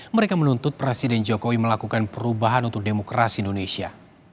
mereka menuntut presiden jokowi melakukan perubahan untuk demokrasi indonesia